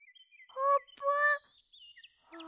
あーぷん？